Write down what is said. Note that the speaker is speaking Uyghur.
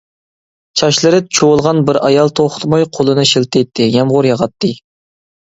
چاچلىرى چۇۋۇلغان بىر ئايال توختىماي قولىنى شىلتىيتتى، يامغۇر ياغاتتى.